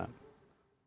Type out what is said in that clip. tolong selesaikan hal itu